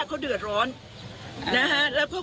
คุณล้อควะ